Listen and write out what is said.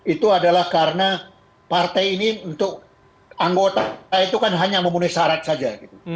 itu adalah karena partai ini untuk anggota itu kan hanya memenuhi syarat saja